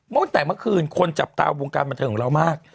ตั้งแต่เมื่อคืนคนจับตาวงการบันเทิงของเรามาก